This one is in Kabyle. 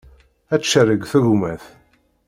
Ad tcerreg tegmat.